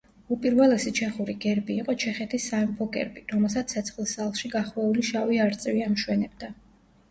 უპირველესი ჩეხური გერბი იყო ჩეხეთის სამეფოს გერბი, რომელსაც ცეცხლის ალში გახვეული შავი არწივი ამშვენებდა.